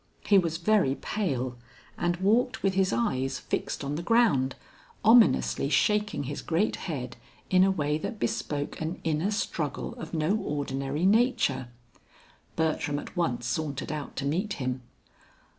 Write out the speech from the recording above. He was very pale and walked with his eyes fixed on the ground, ominously shaking his great head in a way that bespoke an inner struggle of no ordinary nature. Bertram at once sauntered out to meet him.